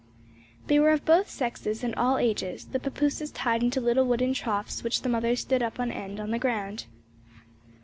They were of both sexes and all ages; the papooses tied into little wooden troughs which the mothers stood up on end on the ground.